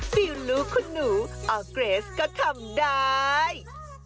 ฟิลลูกคุณหนูออร์เกรสก็ทำได้